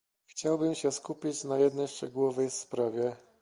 Chciałbym się skupić na jednej szczegółowej sprawie